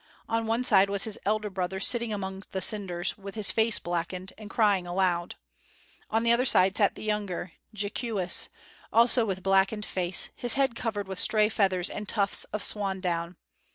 On one side was his elder brother, sitting among the cinders, with his face blackened, and crying aloud. On the other side sat the younger, Jee kewis, also with blackened face, his head covered with stray feathers and tufts of swan down.